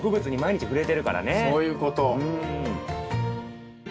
そういうこと。